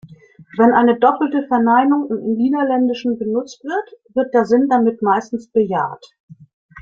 Wenn eine doppelte Verneinung im Niederländischen benutzt wird, wird der Sinn damit meistens bejaht.